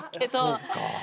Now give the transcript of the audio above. そうか！